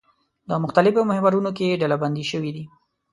د مختلفو محورونو کې ډلبندي شوي دي.